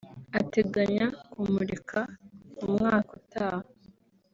ateganya kumurika mu mwaka utaha